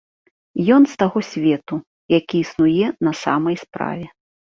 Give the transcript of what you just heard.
Ён з таго свету, які існуе на самай справе.